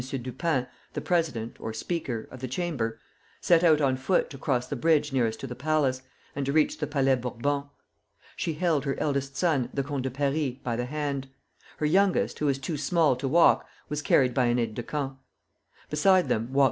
Dupin, the President (or Speaker) of the Chamber, set out on foot to cross the bridge nearest to the palace, and to reach the Palais Bourbon. She held her eldest son, the Comte de Paris, by the hand; her youngest, who was too small to walk, was carried by an aide de camp. Beside them walked M.